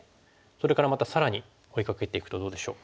それからまた更に追いかけていくとどうでしょう？